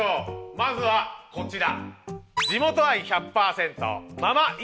まずはこちら。